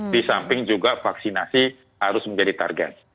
di samping juga vaksinasi harus menjadi target